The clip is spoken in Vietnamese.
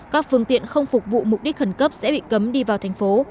các phương tiện không phục vụ mục đích khẩn cấp sẽ bị cấm đi vào thành phố